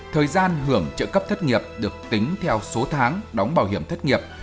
thời gian hưởng trợ cấp thất nghiệp được tính theo số tháng đóng bảo hiểm thất nghiệp